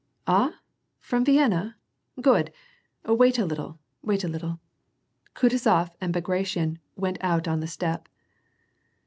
" Ah ? From Vienna ? Good ! Wait a little, wait a little !" Kutuzof and Bagration went out on the step.